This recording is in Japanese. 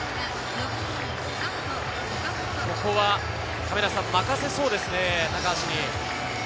ここは任せそうですね、高橋に。